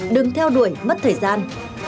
đừng theo đuổi mất thời gian